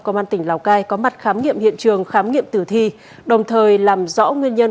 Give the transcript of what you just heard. công an tỉnh lào cai có mặt khám nghiệm hiện trường khám nghiệm tử thi đồng thời làm rõ nguyên nhân